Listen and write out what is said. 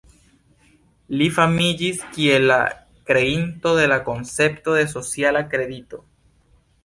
Li famiĝis kiel la kreinto de la koncepto de sociala kredito.